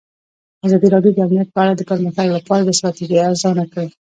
ازادي راډیو د امنیت په اړه د پرمختګ لپاره د ستراتیژۍ ارزونه کړې.